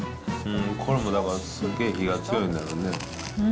これもだからすげえ火が強いんだろうね。